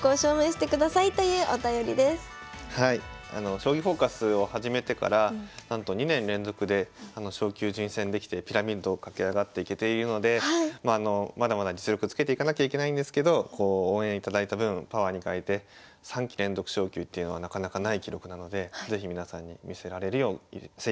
「将棋フォーカス」を始めてからなんと２年連続で昇級順位戦できてピラミッドを駆け上がっていけているのでまだまだ実力つけていかなきゃいけないんですけど応援いただいた分パワーにかえて３期連続昇級っていうのはなかなかない記録なので是非皆さんに見せられるように精いっぱい頑張ります。